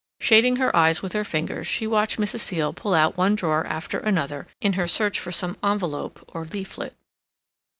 Shading her eyes with her fingers, she watched Mrs. Seal pull out one drawer after another in her search for some envelope or leaflet.